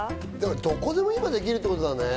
どこでも今できるってことだね。